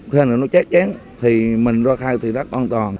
nên là nó chét chén thì mình ra khai thì rất an toàn